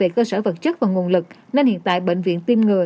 cơ sở vật chất và nguồn lực nên hiện tại bệnh viện tiêm ngừa